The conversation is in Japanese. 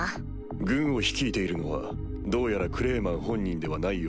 軍を率いているのはどうやらクレイマン本人ではないようです。